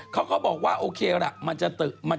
เขาก็บอกว่าโอเคละมันจะตกลงมา